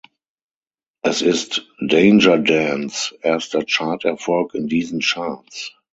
Es ist Danger Dans erster Charterfolg in diesen Charts.